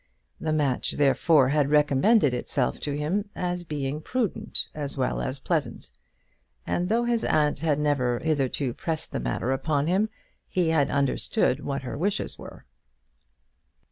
The match therefore had recommended itself to him as being prudent as well as pleasant; and though his aunt had never hitherto pressed the matter upon him, he had understood what her wishes were.